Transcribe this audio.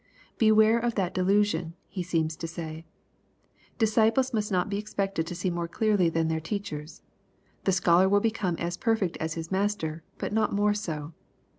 " Beware of tliat delusion," He seems to say. " Disciples must not be expected to see more clearly than their teachers. The scholar will become as perfect as his master, but not more so.